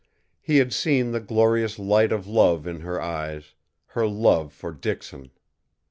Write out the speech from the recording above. He had seen the glorious light of love in her eyes her love for Dixon!